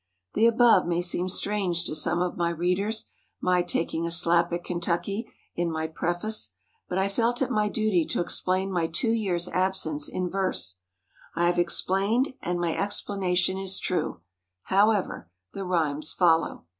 The above may seem strange to some of my readers—my taking a slap at Kentucky in my pre¬ face—but I felt it my duty to explain my two years absence in verse. I have explained and my ex¬ planation is true. However, the rhymes follow.